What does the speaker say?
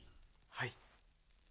はい。